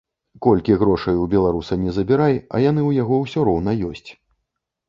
Колькі грошай у беларуса не забірай, а яны ў яго ўсё роўна ёсць.